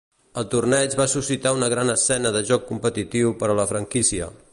El torneig va suscitar una gran escena de joc competitiu per a la franquícia.